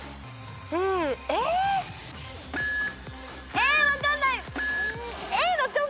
え分かんない。